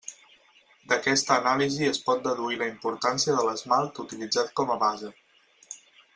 D'aquesta anàlisi es pot deduir la importància de l'esmalt utilitzat com a base.